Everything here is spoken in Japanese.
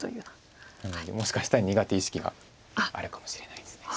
なのでもしかしたら苦手意識があるかもしれないです。